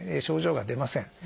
症状が出ません。